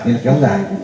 nên là kéo dài